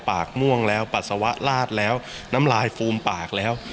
ปากม่วงแล้วปัสสาวะลาดแล้วน้ำลายฟูมปากแล้ว